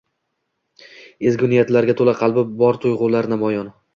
Ezgu niyatlarga toʻla qalbi bor tuygʻulari namoyon